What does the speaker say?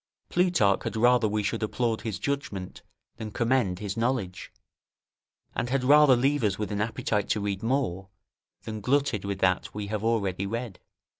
Plutarch had rather we should applaud his judgment than commend his knowledge, and had rather leave us with an appetite to read more, than glutted with that we have already read.